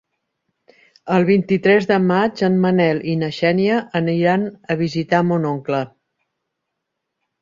El vint-i-tres de maig en Manel i na Xènia aniran a visitar mon oncle.